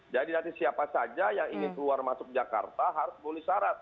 jadi nanti siapa saja yang ingin keluar masuk jakarta harus memulih syarat